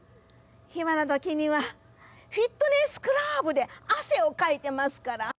暇な時にはフィットネスクラブで汗をかいてますから。